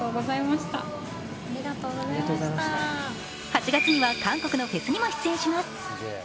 ８月には韓国のフェスにも出演します。